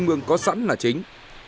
nhưng mương có sẵn là chính